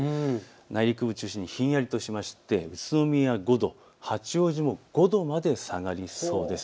内陸部中心にひんやりとしまして宇都宮５度、八王子も５度まで下がりそうです。